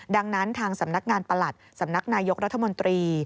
ดังนั้นทางสำนักงานประหลัดสำนักนายกรัฐมนตรี